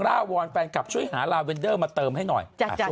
ลาวอลแฟนกลับช่วยหามาเติมให้หน่อย